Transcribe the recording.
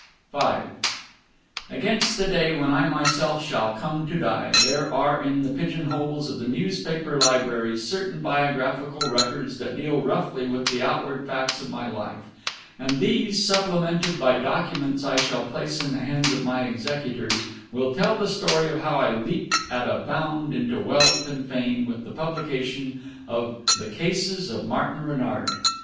V Against the day when I myself shall come to die, there are in the pigeon holes of the newspaper libraries certain biographical records that deal roughly with the outward facts of my life; and these, supplemented by documents I shall place in the hands of my executors, will tell the story of how I leaped at a bound into wealth and fame with the publication of The Cases of Martin Renard.